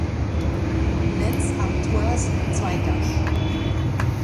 Lens-Artois" Zweiter.